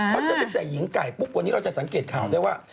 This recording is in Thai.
เพราะฉะนั้นตั้งแต่หญิงไก่ปุ๊บวันนี้เราจะสังเกตข่าวได้ว่า